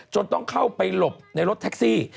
ต้องเข้าไปหลบในรถแท็กซี่